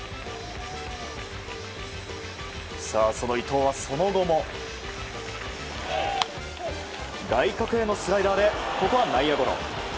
その伊藤はその後も外角へのスライダーでここは内野ゴロ。